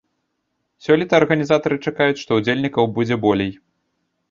Сёлета арганізатары чакаюць, што ўдзельнікаў будзе болей.